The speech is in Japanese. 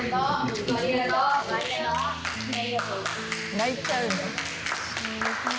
泣いちゃう。